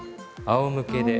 あおむけで。